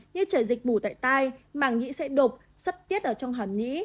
như chảy dịch bù tại tai màng nhĩ sẽ đục sất tiết ở trong hẳn nhĩ